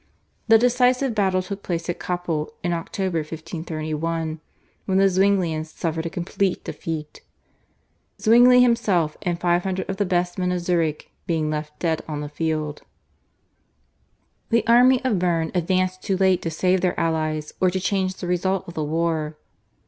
The decisive battle took place at Kappel in October 1531, when the Zwinglians suffered a complete defeat, Zwingli himself and five hundred of the best men of Zurich being left dead on the field. The army of Berne advanced too late to save their allies or to change the result of the war.